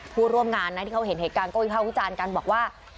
ผู้ร่วมงานนะที่เขาเห็นเหตุการณ์ก็วิภาควิจารณ์กันบอกว่า